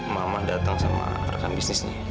mama datang sama rekan bisnisnya